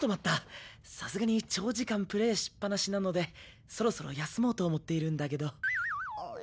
さすがに長時間プレイしっぱなしなのでそろそろ休もうと思っているんだけどあっ